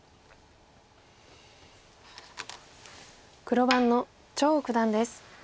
黒番の張栩九段です。